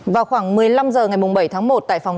vào khoảng một mươi năm h ngày bảy tháng một